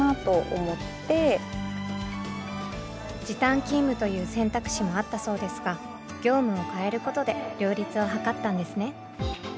時短勤務という選択肢もあったそうですが業務を変えることで両立を図ったんですね。